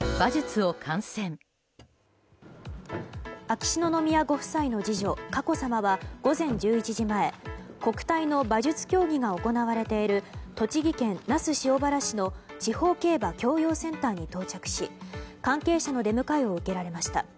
秋篠宮ご夫妻の次女佳子さまは午前１１時前国体の馬術競技が行われている栃木県那須塩原市の地方競馬教養センターに到着し関係者の出迎えを受けられました。